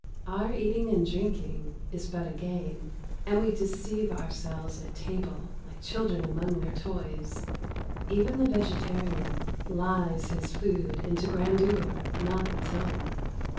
Our eating and drinking is but a game, and we deceive ourselves at table like children among their toys. Even the vegetarian lies his food into grandeur not its own.